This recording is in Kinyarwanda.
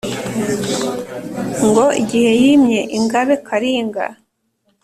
Ngo igihe yimye Ingabe Kalinga